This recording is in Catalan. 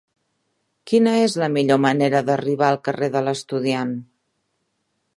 Quina és la millor manera d'arribar al carrer de l'Estudiant?